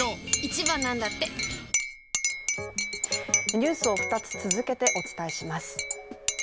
ニュースを２つ、続けてお伝えします。